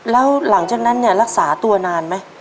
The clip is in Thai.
แล้วหลังจากนั้นเนี่ยรักษาตัวนานไหม